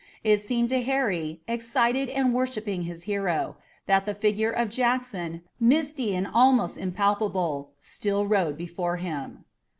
It seemed to Harry, excited and worshipping his hero, that the figure of Jackson, misty and almost impalpable, still rode before him.